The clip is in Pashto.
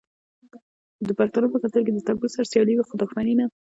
د پښتنو په کلتور کې د تربور سره سیالي وي خو دښمني نه.